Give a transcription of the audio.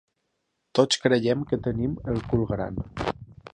Tots creiem que tenim el cul gran.